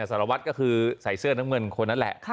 สารวัตรก็คือใส่เสื้อน้ำเงินคนนั้นแหละ